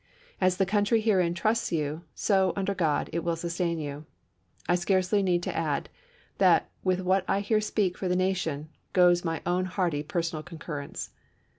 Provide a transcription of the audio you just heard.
As the country herein trusts you, so, under God, it will sustain you. I scarcely need to add that with what I here speak for the nation, goes ^*SM.^^ my own hearty personal concurrence."